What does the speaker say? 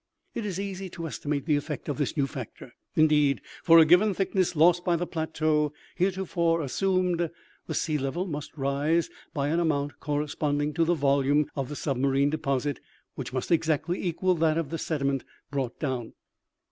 "It is easy to estimate the effect of this new factor. Indeed, for a given thickness lost by the plateau heretofore assumed, the sea level must rise by an amount correspond ing to the volume of the submarine deposit, which must exactly equal that of the sediment brought down.